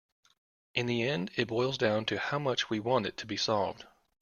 In the end it boils down to how much we want it to be solved.